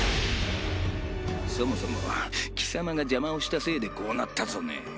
そもそも貴様が邪魔をしたせいでこうなったぞね